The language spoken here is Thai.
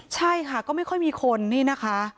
ใช่ค่ะก็ไม่ค่อยมีคนนี่นะคะ